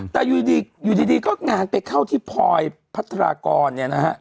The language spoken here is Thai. แต่อยู่ดีดีก็งานไปเข้าที่พอยพัทธากรเนี่ย